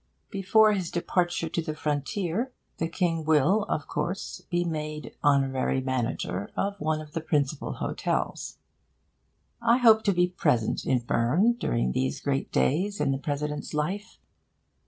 Before his departure to the frontier, the King will of course be made honorary manager of one of the principal hotels. I hope to be present in Berne during these great days in the President's life.